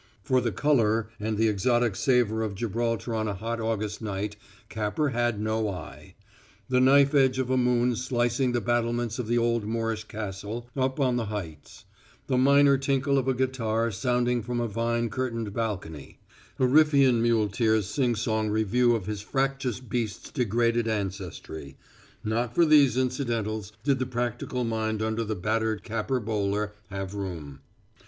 For the color and the exotic savor of Gibraltar on a hot August night Capper had no eye. The knife edge of a moon slicing the battlements of the old Moorish Castle up on the heights; the minor tinkle of a guitar sounding from a vine curtained balcony; a Riffian muleteer's singsong review of his fractious beast's degraded ancestry not for these incidentals did the practical mind under the battered Capper bowler have room.